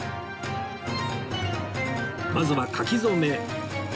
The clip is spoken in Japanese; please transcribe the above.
まずは書き初め